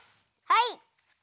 はい！